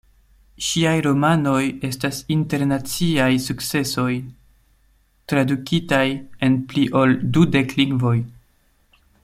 Ŝiaj romanoj estas internaciaj sukcesoj, tradukitaj en pli ol dudek lingvoj.